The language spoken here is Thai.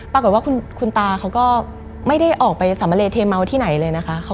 ปรากฏว่าคุณตาเขาก็ไม่ได้ออกไปสามะเลเทเมาที่ไหนเลยนะคะ